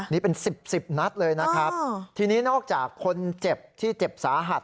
นี่เป็นสิบสิบนัดเลยนะครับทีนี้นอกจากคนเจ็บที่เจ็บสาหัส